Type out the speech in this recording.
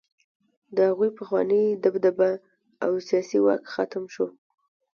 د هغوی پخوانۍ دبدبه او سیاسي واک ختم شو.